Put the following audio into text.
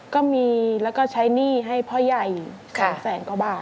ก็มีแล้วก็ใช้หนี้ให้พ่อใหญ่๒แสนกว่าบาท